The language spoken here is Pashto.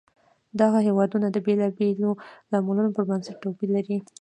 دغه هېوادونه د بېلابېلو لاملونو پر بنسټ توپیر لري.